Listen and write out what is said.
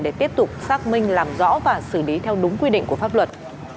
để tiếp tục xác minh làm rõ và xử lý theo đúng quy định của pháp luật